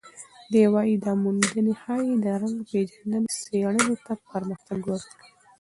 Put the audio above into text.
دی وايي، دا موندنه ښايي د رنګ پېژندنې څېړنې ته پرمختګ ورکړي.